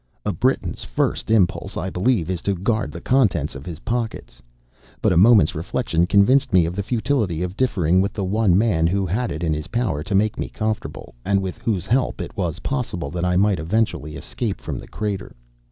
A Briton's first impulse, I believe, is to guard the contents of his pockets; but a moment's reflection convinced me of the futility of differing with the one man who had it in his power to make me comfortable; and with whose help it was possible that I might eventually escape from the crater.